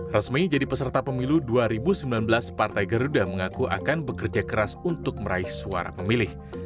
resmi jadi peserta pemilu dua ribu sembilan belas partai garuda mengaku akan bekerja keras untuk meraih suara pemilih